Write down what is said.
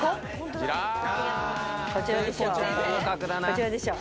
こちらでしょ。